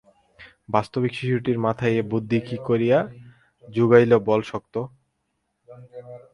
বাস্তবিক, শিশুটির মাথায় এ বুদ্ধি কী করিয়া জোগাইল বলা শক্ত।